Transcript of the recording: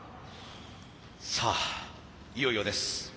さあいよいよです。